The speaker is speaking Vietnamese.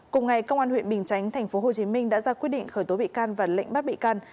cùng ngày công an huyện bình chánh tp hcm đã ra quyết định khởi tố bị can và lệnh bắt bị can